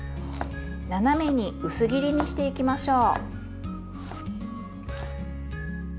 斜めに薄切りにしていきましょう。